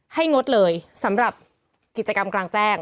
งดเลยสำหรับกิจกรรมกลางแจ้ง